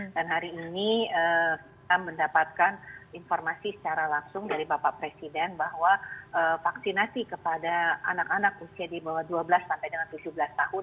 dan hari ini kami mendapatkan informasi secara langsung dari bapak presiden bahwa vaksinasi kepada anak anak usia di bawah dua belas sampai dengan tujuh belas tahun